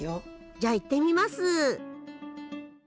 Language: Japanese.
じゃ行ってみます！